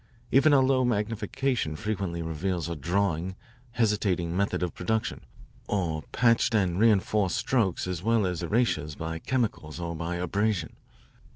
Even a low magnification frequently reveals a drawing, hesitating method of production, or patched and reinforced strokes as well as erasures by chemicals or by abrasion.